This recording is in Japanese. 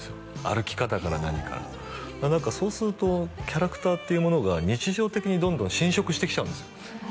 歩き方から何から何かそうするとキャラクターっていうものが日常的にどんどん侵食してきちゃうんですよ